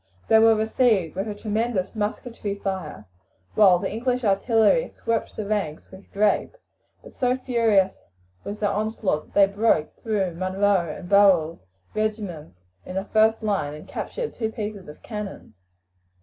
They were received with a tremendous musketry fire, while the English artillery swept the ranks with grape; but so furious was their onslaught that they broke through Munro and Burrel's regiments in the first line and captured two pieces of cannon.